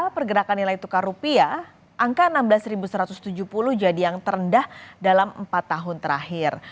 pergerakan nilai tukar rupiah angka enam belas satu ratus tujuh puluh jadi yang terendah dalam empat tahun terakhir